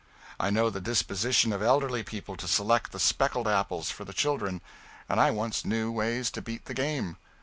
I know the disposition of elderly people to select the specked apples for the children, and I once knew ways to beat the game.